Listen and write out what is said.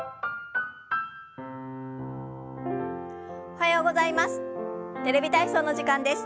おはようございます。